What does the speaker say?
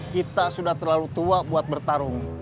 kita sudah terlalu tua buat bertarung